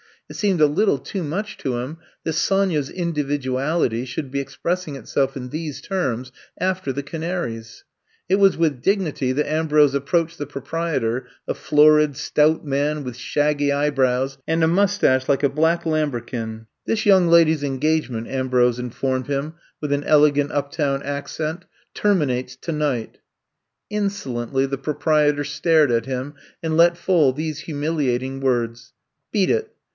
It seemed a little too much to him that Sonya *s individuality should be expressing itself in these terms after the canaries. It was with dignity that Ambrose ap proached the proprietor, a florid, stout man, with shaggy eyebrows and a mustache like a black lambrequin. 144 I'VE COME TO STAT This young lady's engagement,*' Am brose informed him with an elegant uptown accent, *' terminates tonight 1'* Insolently the proprietor stared at him and let fall these humiliating words : Beat it!